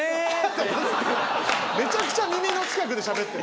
めちゃくちゃ耳の近くでしゃべってる。